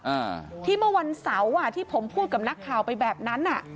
อ่าที่เมื่อวันเสาร์อ่ะที่ผมพูดกับนักข่าวไปแบบนั้นอ่ะ